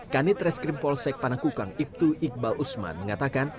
kanit reskrim polsek panakukang ibtu iqbal usman mengatakan